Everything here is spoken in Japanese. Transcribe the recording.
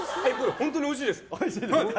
本当においしいです！